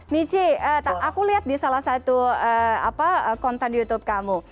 michi aku lihat di salah satu konten youtube kamu